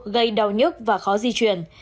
gây đau nhức và khó di chuyển